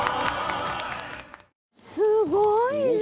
すごいね。